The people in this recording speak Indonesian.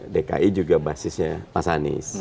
dki juga basisnya mas anies